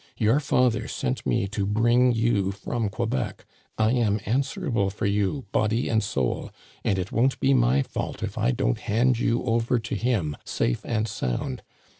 Your father sent me to bring you from Quebec. I am answerable for you, body and soul, and it won't be my fault if I don't hand you over to him safe and sound.